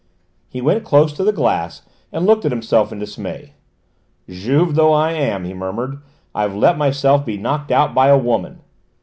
He went close to the glass and looked at himself in dismay. "Juve though I am," he murmured, "I've let myself be knocked out by a woman!"